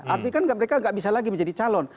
artikan mereka tidak bisa lagi menjadi calon